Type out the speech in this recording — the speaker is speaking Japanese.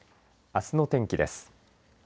あすの天気です。